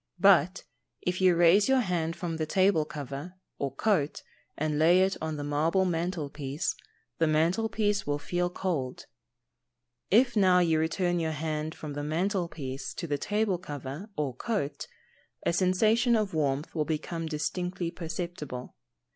But if you raise your hand from the table cover, or coat, and lay it on the marble mantel piece, the mantel piece will feel cold. If now you return your hand from the mantel piece to the table cover or coat, a sensation of warmth will become distinctly perceptible.